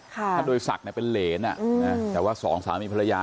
ถ้าโดยศักดิ์เป็นเหรนแต่ว่าสองสามีภรรยา